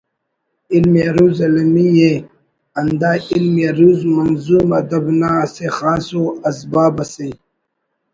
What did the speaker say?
علم عروض المی ءِ ہندا علم عروض منظوم ادب نا اسہ خاص ءُ ازباب اسے